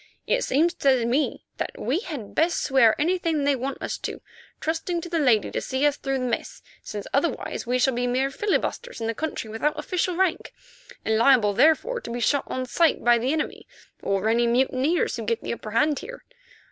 It seems to me that we had best swear anything they want us to, trusting to the lady to see us through the mess, since otherwise we shall be mere filibusters in the country without official rank, and liable therefore to be shot on sight by the enemy, or any mutineers who get the upper hand here.